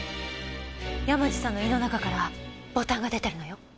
山路さんの胃の中からボタンが出てるのよ。